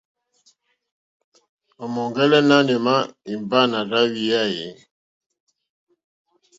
O ma ɔ̀ŋgɛlɛ nanù ema imba nà rza o hwiya e?